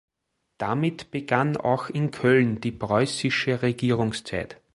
Damit begann auch in Köln die preußische Regierungszeit.